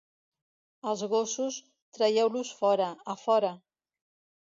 Els gossos, traieu-los fora, a fora.